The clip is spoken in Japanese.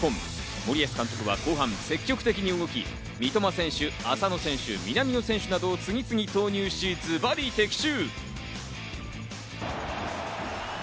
森保監督は後半、積極的に動き三笘選手、浅野選手、南野選手などを次々に投入し、ズバリ的中！